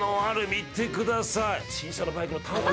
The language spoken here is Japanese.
見てください。